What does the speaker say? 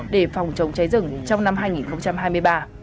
để phòng chống cháy rừng trong năm hai nghìn hai mươi ba